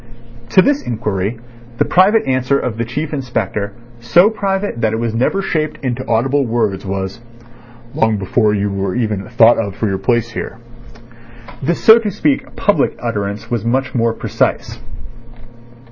To this inquiry the private answer of the Chief Inspector, so private that it was never shaped into audible words, was: "Long before you were even thought of for your place here." The so to speak public utterance was much more precise.